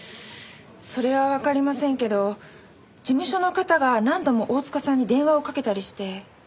それはわかりませんけど事務所の方が何度も大塚さんに電話をかけたりして。